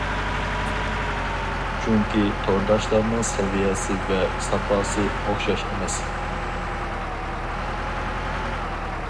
چۈنكى تورداشلارنىڭ سەۋىيەسى ۋە ساپاسى ئوخشاش ئەمەس.